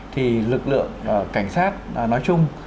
thì lực lượng cảnh sát nói chung